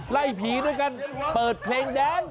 ไล่ผีด้วยกันเปิดเพลงแดน